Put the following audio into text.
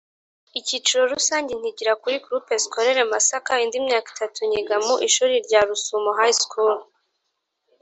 icyiciro rusange nkigira kuri Groupe Scolaire Masaka indi myaka itatu nyiga mu ishuli rya Rusumo High School